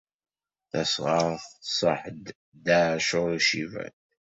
Tasɣart tṣaḥ-d Dda ɛacur Uciban.